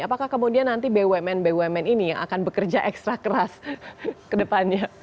apakah kemudian nanti bumn bumn ini yang akan bekerja ekstra keras ke depannya